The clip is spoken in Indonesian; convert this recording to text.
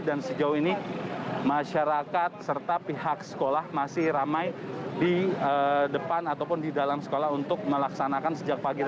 dan sejauh ini masyarakat serta pihak sekolah masih ramai di depan ataupun di dalam sekolah untuk melaksanakan sejak pagi tadi